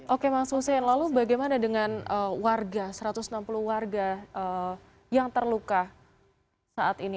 oke mas hussein lalu bagaimana dengan warga satu ratus enam puluh warga yang terluka saat ini